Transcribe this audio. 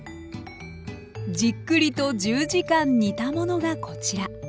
じっくりと１０時間煮たものがこちら。